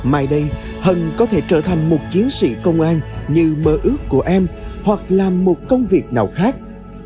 mai đây hân có thể trở thành một chiến sĩ công an như mơ ước của em hoặc làm một công việc nào khác